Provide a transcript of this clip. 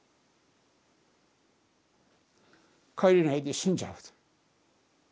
帰れないで死んじゃうんです。